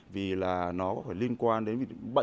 vì là nó có phải liên quan đến